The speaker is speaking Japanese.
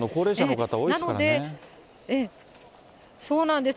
熱海、そうなんです。